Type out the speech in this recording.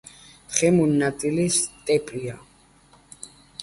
თხემურ ნაწილში სტეპია.